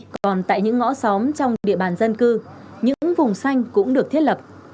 còn tại những ngõ xóm trong địa bàn dân cư những vùng xanh cũng được thiết lập